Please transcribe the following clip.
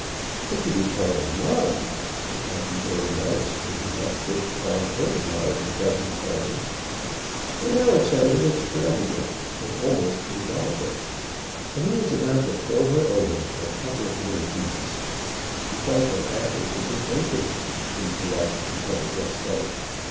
And to be called "Love!" It might be very nice when he had first called her "Love" a dozen times; but now it sounded extravagant and almost indelicate. And he was about to throw her over for a couple of little beasts. He felt that that was his intention, and he blushed because it was so.